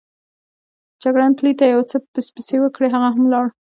جګړن پلي ته یو څه پسپسې وکړې، هغه هم ولاړ.